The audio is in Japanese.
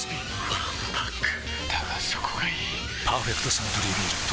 わんぱくだがそこがいい「パーフェクトサントリービール糖質ゼロ」